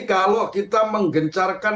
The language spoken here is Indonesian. kalau kita menggencarkan